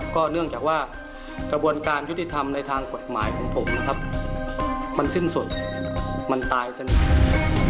ก็เนื่องจากว่ากระบวนการยุทธิธรรมในทางกฎหมายของผมมันสิ้นส่วนมันตายเสียหนึ่ง